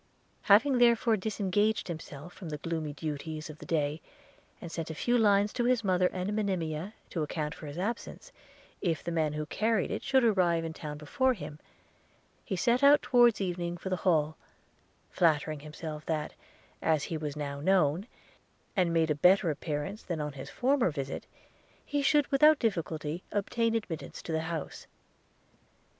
Having therefore disengaged himself from the gloomy duties of the day, and sent a few lines to his mother and Monimia, to account for his absence, if the man who carried it should arrive in town before him, he set out towards evening for the Hall, flattering himself that, as he was now known, and made a better appearance than on his former visit, he should without difficulty obtain admittance to the house.